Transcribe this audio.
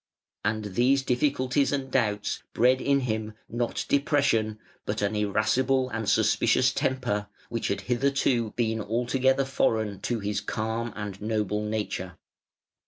And these difficulties and doubts bred in him not depression, but an irascible and suspicious temper, which had hitherto been altogether foreign to his calm and noble nature.